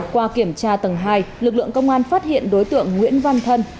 qua kiểm tra tầng hai lực lượng công an phát hiện đối tượng nguyễn văn thân